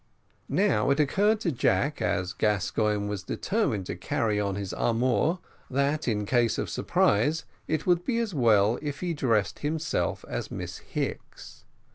Now it occurred to Jack, as Gascoigne was determined to carry on his amour, that in case of surprise it would be as well if he dressed himself as Miss Hicks.